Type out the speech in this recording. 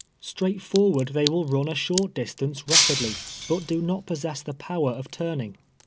Straight forward, they will run a short distance rapidly, hut do not possess the power of turning.